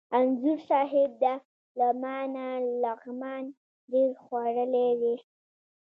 انځور صاحب! ده له ما نه لغمان ډېر خوړلی دی.